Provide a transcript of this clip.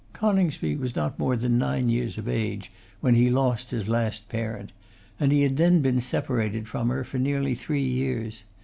Coningsby was not more than nine years of age when he lost his last parent; and he had then been separated from her for nearly three years.